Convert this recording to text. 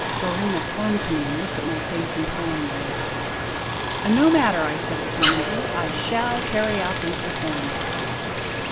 Dorema clung to me and looked at my face imploringly. "No matter," I said determinedly; "I shall carry out these reforms."